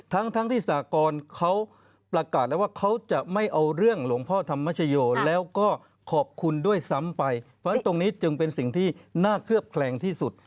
ทั้งทั้งที่สากรเขาประกาศแล้วว่าเขาจะไม่เอาเรื่องหลวงพ่อธรรมชโยแล้วก็ขอบคุณด้วยซ้ำไปเพราะฉะนั้นตรงนี้จึงเป็นสิ่งที่น่าเคลือบแคลงที่สุด